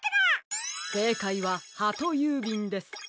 せいかいはハトゆうびんです。